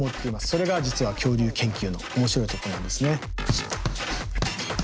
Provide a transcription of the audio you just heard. それが実は恐竜研究の面白いところなんですね。